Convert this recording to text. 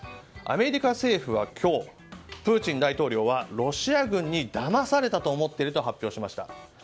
アメリカ政府は今日プーチン大統領はロシア軍にだまされたと思っていると発表しました。